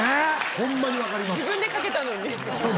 ホンマにわかります。